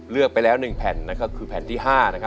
เลือกไปแล้ว๑แผ่นนะครับคือแผ่นที่๕นะครับ